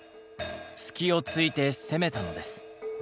隙をついて攻めたのです。